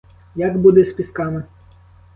Як буде з пісками?